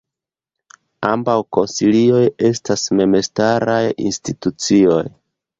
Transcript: Ambaŭ konsilioj estas memstaraj institucioj.